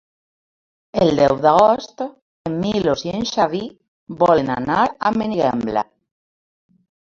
El deu d'agost en Milos i en Xavi volen anar a Benigembla.